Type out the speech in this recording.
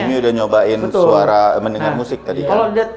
kami udah nyobain suara mendengar musik tadi